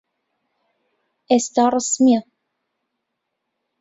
ئێستا ڕەسمییە.